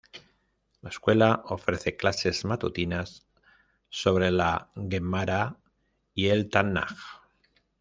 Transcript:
La escuela ofrece clases matutinas sobre la Guemará y el Tanaj.